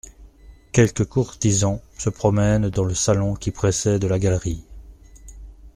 Quelques courtisans se promènent dans le salon qui précède la galerie.